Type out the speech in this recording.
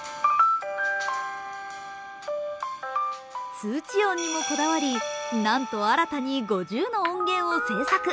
通知音にもこだわり、なんと新たに５０の音源を制作。